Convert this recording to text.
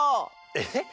えっ？